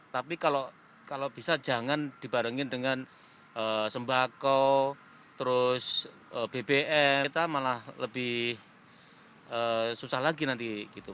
tapi kalau bisa jangan dibarengin dengan sembako terus bbm kita malah lebih susah lagi nanti gitu